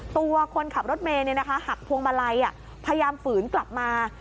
คนขับรถเมย์หักพวงมาลัยพยายามฝืนกลับมา